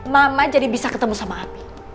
mama jadi bisa ketemu sama api